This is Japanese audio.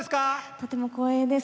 とても光栄です